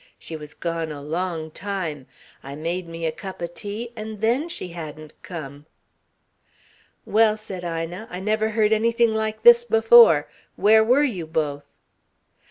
She was gone a long time. I made me a cup o' tea, and then she hadn't come." "Well," said Ina, "I never heard anything like this before. Where were you both?"